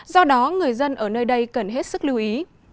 do đó người dân ở nơi đây cần hết sức lưu ý